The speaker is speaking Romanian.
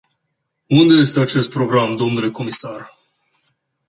Unde este acest program, dle comisar?